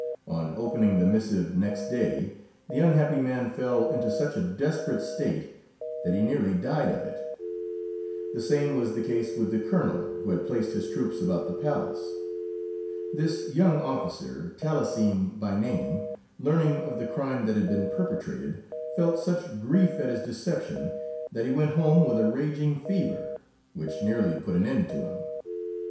On opening the missive next day the unhappy man fell into such a desperate state that he nearly died of it. The same was the case with the Colonel who had placed his troops about the palace. This young officer, Talesin by name, learning of the crime that had been perpetrated, felt such grief at his deception that he went home with a raging fever, which nearly put an end to him.